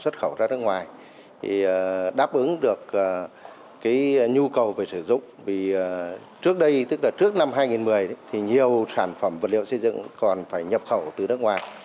thì trước đây tức là trước năm hai nghìn một mươi thì nhiều sản phẩm vật liệu xây dựng còn phải nhập khẩu từ nước ngoài